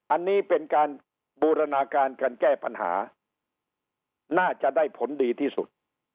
อันนี้เป็นการบูรณาการการแก้ปัญหาน่าจะได้ผลดีที่สุด